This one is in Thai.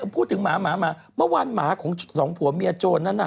พูดถึงหมาหมาเมื่อวานหมาของสองผัวเมียโจรนั้นน่ะ